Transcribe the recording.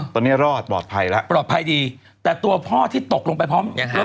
ตอนนี้รอดปลอดภัยแล้วปลอดภัยดีแต่ตัวพ่อที่ตกลงไปพร้อมยังไงฮะ